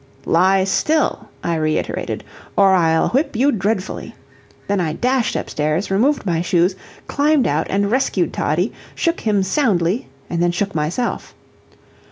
"Lie still," I reiterated, "or I'll whip you dreadfully." Then I dashed up stairs, removed my shoes, climbed out and rescued Toddie, shook him soundly, and then shook myself.